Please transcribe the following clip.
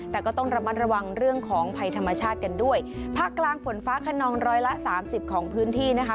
แต่ก็ต้องระมัดระวังเรื่องของภัยธรรมชาติกันด้วยภาคกลางฝนฟ้าขนองร้อยละสามสิบของพื้นที่นะคะ